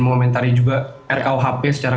mengomentari juga rkuhp secara